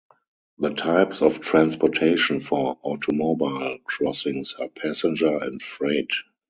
The types of transportation for automobile crossings are passenger and freight.